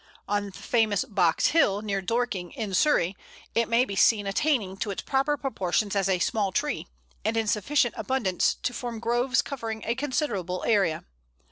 On the famous Box Hill, near Dorking, in Surrey, it may be seen attaining its proper proportions as a small tree, and in sufficient abundance to form groves covering a considerable area.